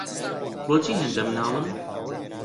بۆچی هێندە مناڵن؟